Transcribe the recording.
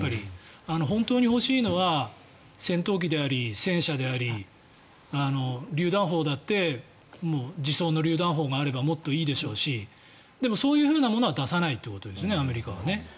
本当に欲しいのは戦闘機であり戦車でありりゅう弾砲だって自走のりゅう弾砲があればもっといいでしょうしでもそういうものは出さないということですよねアメリカは。